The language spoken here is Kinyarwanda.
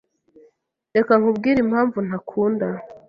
Reka nkubwire impamvu ntakunda